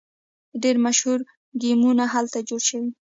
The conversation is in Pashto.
ډیر مشهور ګیمونه هلته جوړ شوي.